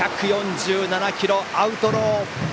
１４７キロ、アウトロー！